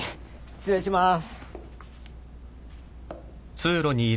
失礼します。